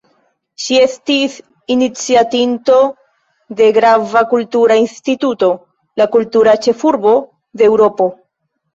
Ŝi estis iniciatinto de grava kultura instituto: la “Kultura ĉefurbo de Eŭropo”.